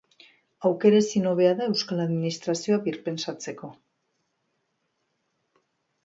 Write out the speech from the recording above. Aukera ezin hobea da euskal administrazioa birpentsatzeko.